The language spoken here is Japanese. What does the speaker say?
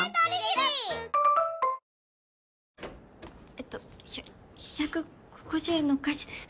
えっと１５０円のお返しです。